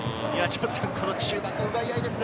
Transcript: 中盤の奪い合いですね。